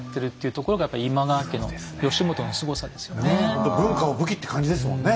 ほんとに文化を武器って感じですもんね